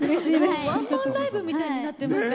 ワンマンライブみたいになってました。